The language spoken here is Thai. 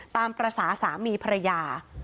ตามประสาทสามีภรรยา